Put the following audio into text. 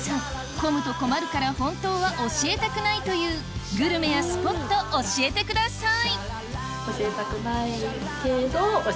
混むと困るから本当は教えたくないというグルメやスポット教えてください！